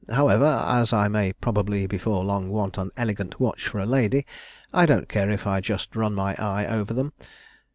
However, as I may probably, before long, want an elegant watch for a lady, I don't care if I just run my eye over them.'